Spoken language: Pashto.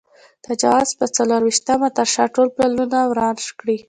د جوزا پر څلور وېشتمه تر شا ټول پلونه وران کړئ.